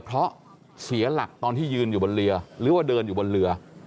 เพราะเสียหลักตอนที่ยืนอยู่บนเรือหรือว่าเดินอยู่บนเรือ